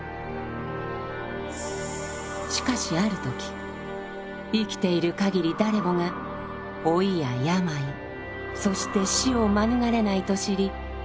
しかしある時生きているかぎり誰もが老いや病そして死を免れないと知り苦しみを覚えます。